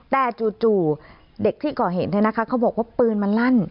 แต่จู่เด็กที่ก่อเห็นเนี่ยนะคะเขาบอกว่าปืนมันลั่น